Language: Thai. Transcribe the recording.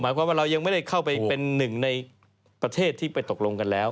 ความเรายังไม่ได้เข้าไปเป็นหนึ่งในประเทศที่ไปตกลงกันแล้ว